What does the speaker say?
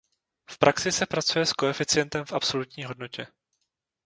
V praxi se pracuje s koeficientem v absolutní hodnotě.